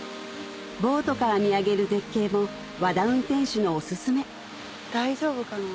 ボートから見上げる絶景も和田運転手のお薦め大丈夫かな？